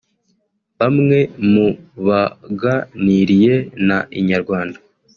bamwe mu baganiriye na Inyarwanda